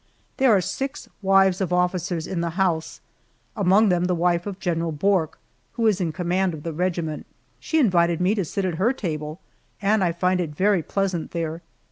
There are six wives of officers in the house, among them the wife of General Bourke, who is in command of the regiment. She invited me to sit at her table, and I find it very pleasant there.